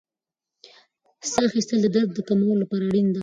ساه اخیستل د درد د کمولو لپاره اړین دي.